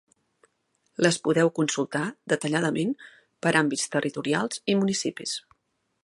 Les podeu consultar detalladament per àmbits territorials i municipis.